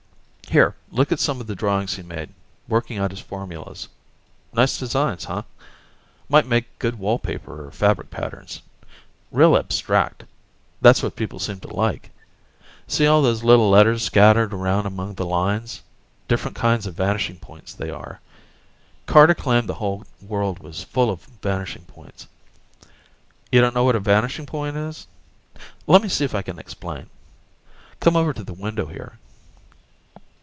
Here, look at some of the drawings he made, working out his formulas. Nice designs, huh? Might make good wall paper or fabric patterns. Real abstract ... that's what people seem to like. See all those little letters scattered around among the lines? Different kinds of vanishing points, they are. Carter claimed the whole world was full of vanishing points. You don't know what a vanishing point is? Lemme see if I can explain. Come over to the window here.